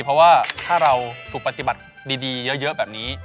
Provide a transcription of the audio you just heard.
เพราะว่าถ้าเราถูกปฏิบัติดีเยอะแบบนี้